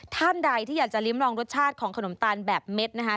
ท่านใดที่อยากจะริ้มลองรสชาติของขนมตาลแบบเม็ดนะคะ